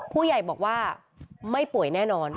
ผู้ใหญ่บอกว่าไม่ป่วยแน่นอน